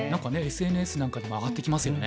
ＳＮＳなんかでも上がってきますよね。